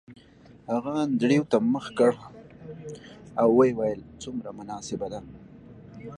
هغه انډریو ته مخ کړ او ویې ویل څومره مناسبه ده